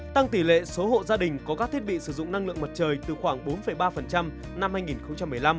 tăng tỷ lệ số hộ gia đình có các thiết bị sử dụng năng lượng mặt trời từ khoảng bốn ba năm hai nghìn một mươi năm